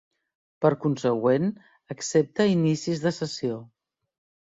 Per consegüent, accepta inicis de sessió.